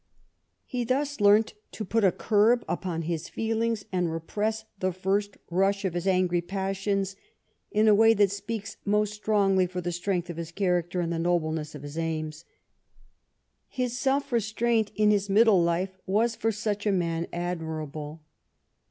He thus learnt to put a curb upon his feelings, and repress the first rush of his angry passions in a way that speaks most strongly for the strength of his char acter and the nobleness of his aims. His self restraint in his middle life was, for such a man, admirable.